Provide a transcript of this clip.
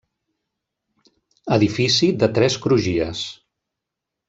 Edifici de tres crugies.